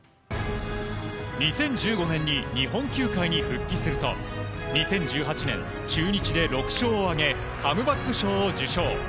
２０１５年に日本球界に復帰すると２０１８年、中日で６勝を挙げカムバック賞を受賞。